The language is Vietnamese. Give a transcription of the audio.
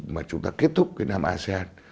mà chúng ta kết thúc cái năm asean